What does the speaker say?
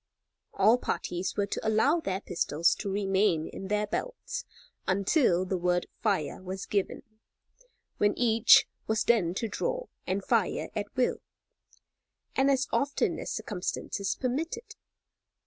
All parties were to allow their pistols to remain in their belts until the word "fire" was given, when each was then to draw and fire at will, and as often as circumstances permitted.